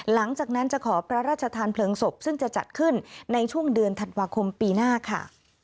หลังจากนั้นจะขอพระราชทานเพลิงศพซึ่งจะจัดขึ้นในช่วงเดือนธันวาคมปีหน้าค่ะ